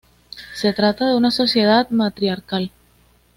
Se trata de una sociedad matriarcal.